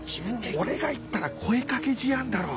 俺が行ったら声掛け事案だろ。